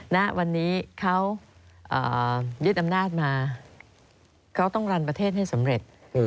ณวันนี้เขายึดอำนาจมาเขาต้องรันประเทศให้สำเร็จ